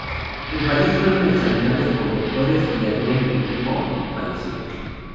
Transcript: En París fueron examinados por doctores y Adrian, enfermo, falleció.